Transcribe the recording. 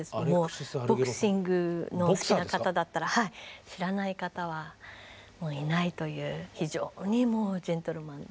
ボクシングのお好きな方だったら知らない方はいないという非常にもうジェントルマンで。